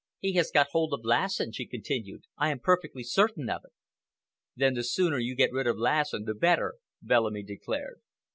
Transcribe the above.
"He has got hold of Lassen," she continued. "I am perfectly certain of it." "Then the sooner you get rid of Lassen, the better," Bellamy declared.